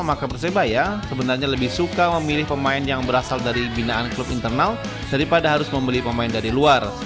maka persebaya sebenarnya lebih suka memilih pemain yang berasal dari binaan klub internal daripada harus membeli pemain dari luar